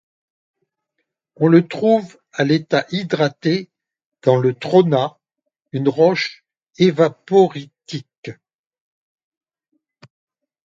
On le trouve à l'état hydraté dans le trona, une roche évaporitique.